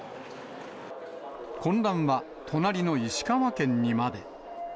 混乱は、隣の石川県にまで。